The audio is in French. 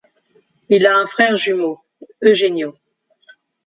Il a un frère jumeau Eugenio.